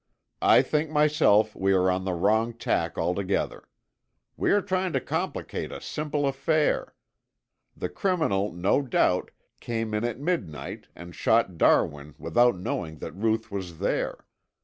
I think myself we are on the wrong tack altogether. We are trying to complicate a simple affair. The criminal, no doubt, came in at midnight and shot Darwin without knowing that Ruth was there.